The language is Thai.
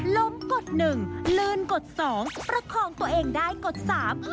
กฎหนึ่งลืนกฎสองประคองตัวเองได้กฎสาม